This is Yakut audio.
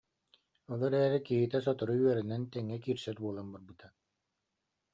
Ол эрээри киһитэ сотору үөрэнэн тэҥҥэ киирсэр буолан барбыта